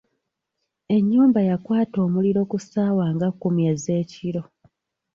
Enyumba yakwata omuliro ku ssaawa nga kkumi ez’ekiro.